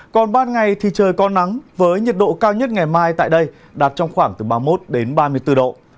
còn ban ngày thì trời có nắng với nhiệt độ cao nhất ngày mai tại đây đạt trong khoảng từ ba mươi một đến ba mươi bốn độ